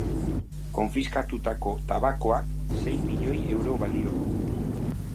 Konfiskatutako tabakoak sei milioi euro balio du.